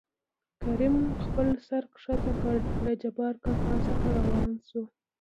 کريم خپل سر ښکته کړ له جبار کاکا څخه راوان شو.